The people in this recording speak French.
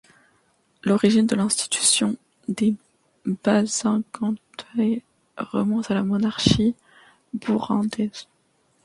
L'origine de l'institution des bashingantahe remonte à la monarchie burundaise.